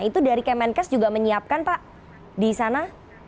itu dari kemenkes juga menyiapkan pak di sana